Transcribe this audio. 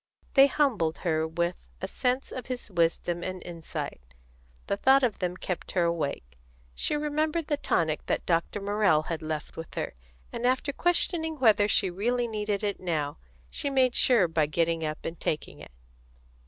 They humbled her with, a sense of his wisdom and insight; the thought of them kept her awake. She remembered the tonic that Dr. Morrell had left with her, and after questioning whether she really needed it now, she made sure by getting up and taking it.